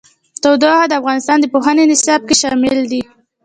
تودوخه د افغانستان د پوهنې نصاب کې شامل دي.